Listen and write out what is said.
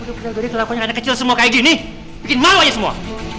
udah bener bener terlakunya anak kecil semua kayak gini bikin malu aja semua